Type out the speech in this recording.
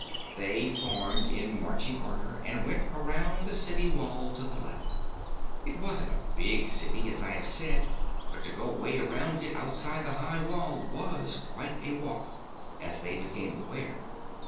They formed in marching order and went around the city wall to the left. It wasn't a big city, as I have said, but to go way around it outside the high wall was quite a walk, as they became aware.